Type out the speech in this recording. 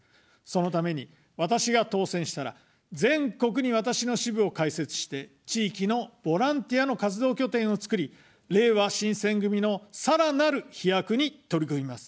そのために、私が当選したら、全国に私の支部を開設して、地域のボランティアの活動拠点を作り、れいわ新選組のさらなる飛躍に取り組みます。